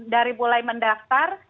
dari mulai mendaftar